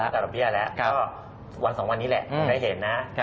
แต่ดอกเบี้ยแล้วก็วัน๒วันนี้แหละได้เห็นนะ